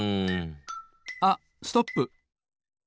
あっストップ！